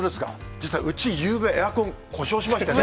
実はうち、ゆうべ、エアコン故障しましてね。